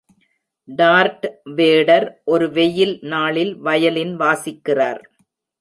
dart Vader ஒரு வெயில் நாளில் வயலின் வாசிக்கிறார்